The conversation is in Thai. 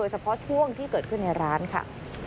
ช่วงที่เกิดขึ้นในร้านค่ะ